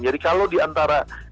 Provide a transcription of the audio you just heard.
jadi kalau di antara